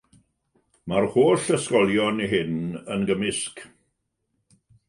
Mae'r holl ysgolion hyn yn gymysg.